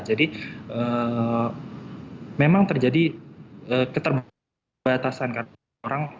jadi memang terjadi keterbatasan